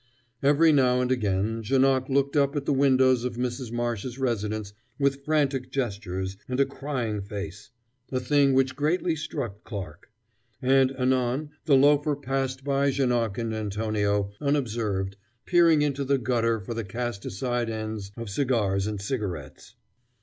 Every now and again Janoc looked up at the windows of Mrs. Marsh's residence with frantic gestures, and a crying face a thing which greatly struck Clarke; and anon the loafer passed by Janoc and Antonio, unobserved, peering into the gutter for the cast aside ends of cigars and cigarettes.